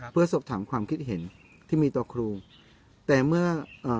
เพื่อสอบถามความคิดเห็นที่มีต่อครูแต่เมื่อเอ่อ